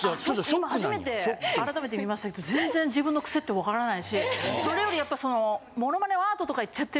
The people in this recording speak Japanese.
今初めて改めて見ましたけど全然自分のクセって分からないしそれよりやっぱその。